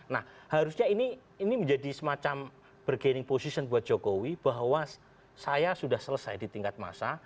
nah harusnya ini menjadi semacam bergaining position buat jokowi bahwa saya sudah selesai di tingkat masa